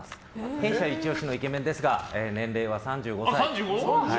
弊社イチ押しのイケメンですが年齢は３５歳。